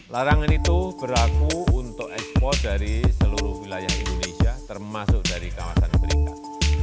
larangan itu berlaku untuk ekspor dari seluruh wilayah indonesia termasuk dari kawasan berikat